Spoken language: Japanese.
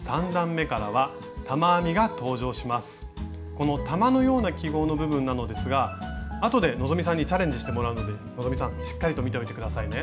この玉のような記号の部分なのですがあとで希さんにチャレンジしてもらうので希さんしっかりと見ておいて下さいね。